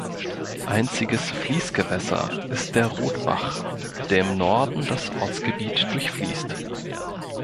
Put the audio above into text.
Einziges Fließgewässer ist der Rotbach, der im Norden das Ortsgebiet durchfließt.